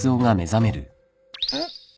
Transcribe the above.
うん？